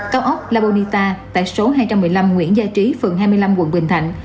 cao ốc labonita tại số hai trăm một mươi năm nguyễn gia trí phường hai mươi năm quận bình thạnh